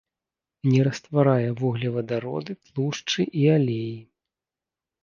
Не растварае вуглевадароды, тлушчы і алеі.